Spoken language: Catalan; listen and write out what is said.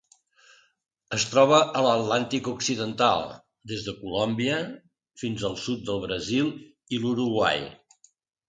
Es troba a l'Atlàntic occidental: des de Colòmbia fins al sud del Brasil i l'Uruguai.